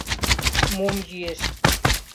Мом йӱэш?